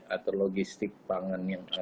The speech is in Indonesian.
atau logistik pangan yang